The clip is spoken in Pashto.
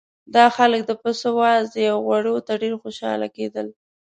دا خلک د پسه وازدې او غوړو ته ډېر خوشاله کېدل.